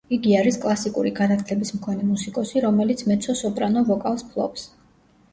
იგი არის კლასიკური განათლების მქონე მუსიკოსი, რომელიც მეცო-სოპრანო ვოკალს ფლობს.